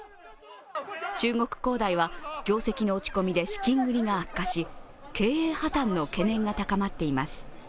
中国恒大は業績の落ち込みで資金繰りが悪化し経営破綻の懸念が高まっています。